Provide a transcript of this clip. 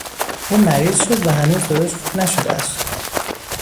او مریض شد و هنوز درست خوب نشده است.